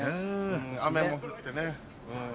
雨も降ってね。